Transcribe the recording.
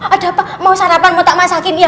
ada apa mau sarapan mau tak masakin ya